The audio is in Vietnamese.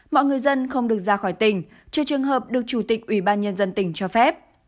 mọi người dân không được ra khỏi tỉnh trừ trường hợp được chủ tịch ủy ban nhân dân tỉnh cho phép